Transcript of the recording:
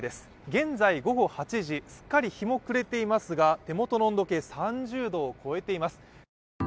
現在午後８時すっかり日も暮れていますが手元の温度計、３０度を超えています。